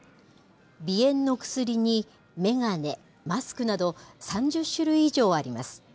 鼻炎の薬に眼鏡、マスクなど、３０種類以上あります。